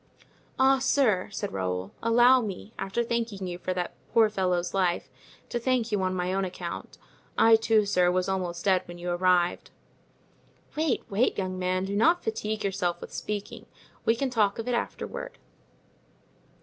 "Ah! sir!" said Raoul, "allow me, after thanking you for that poor fellow's life, to thank you on my own account. I too, sir, was almost dead when you arrived." "Wait, wait, young man; do not fatigue yourself with speaking. We can talk of it afterward."